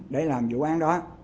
để làm vụ án